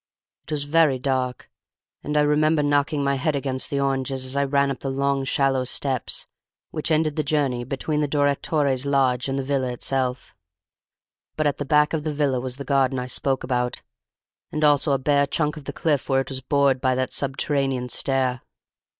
"It was very dark, and I remember knocking my head against the oranges as I ran up the long, shallow steps which ended the journey between the direttore's lodge and the villa itself. But at the back of the villa was the garden I spoke about, and also a bare chunk of the cliff where it was bored by that subterranean stair.